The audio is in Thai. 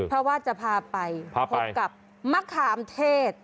เพราะว่าจะพาไปพบกับมะขามเทศ